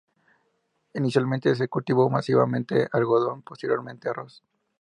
Inicialmente se cultivó masivamente algodón; posteriormente arroz.